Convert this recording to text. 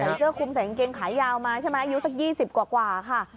เสื้อคุมใส่กางเกงขายาวมาใช่ไหมอายุสัก๒๐กว่าค่ะ